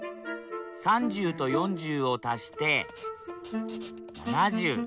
３０と４０を足して７０。